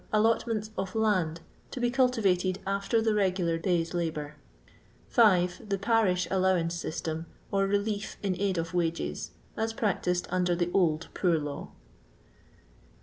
Allotments of land, to be cultivated after the regular day's labour. 5. The parish " allowance system," or relief in aid of wages, as practised under the old Poor Law.